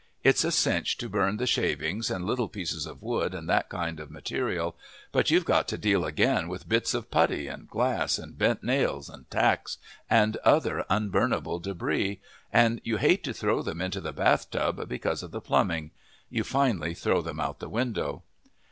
It's a cinch to burn the shavings and little pieces of wood and that kind of material, but you've got to deal again with bits of putty and glass and bent nails and tacks and other unburnable debris, and you hate to throw them into the bathtub because of the plumbing. You finally throw them out the window.